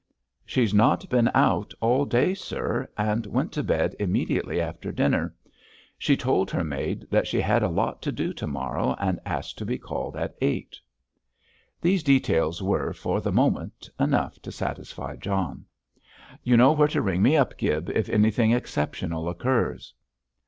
"She's not been out all day, sir, and went to bed immediately after dinner. She told her maid that she had a lot to do to morrow, and asked to be called at eight." These details were, for the moment, enough to satisfy John. "You know where to ring me up, Gibb, if anything exceptional occurs."